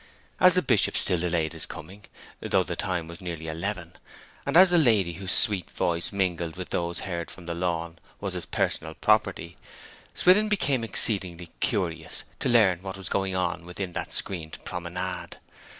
As the Bishop still delayed his coming, though the time was nearly eleven, and as the lady whose sweet voice mingled with those heard from the lawn was his personal property, Swithin became exceedingly curious to learn what was going on within that screened promenade.